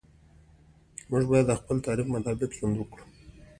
موږ باید د خپل تعریف مطابق ژوند وکړو.